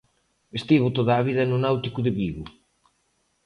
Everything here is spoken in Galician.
Estivo toda a vida no Náutico de Vigo.